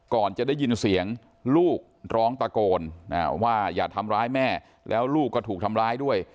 ก่อนจะได้ยินเสียงลูกร้องตะโกนว่าอย่าทำร้ายแม่แล้วลูกก็ถูกทำร้ายด้วย